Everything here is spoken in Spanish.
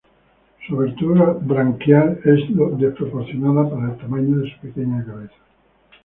Su abertura branquial es desproporcionada para el tamaño de su pequeña cabeza.